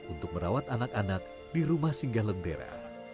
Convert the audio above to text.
untuk merawat anak anak di rumah singgah lentera